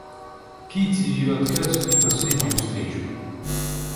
Кити, ее отказ и последнюю встречу.